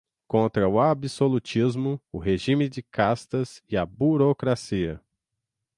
contra o absolutismo, o regime de castas e a burocracia